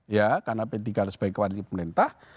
ya karena p tiga sebagai kepala di pemerintah